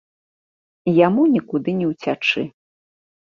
Яму нікуды не ўцячы.